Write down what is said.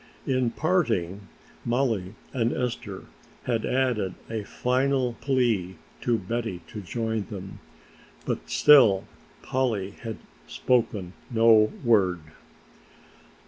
In parting, Mollie and Esther had added a final plea to Betty to join them, but still Polly had spoken no word.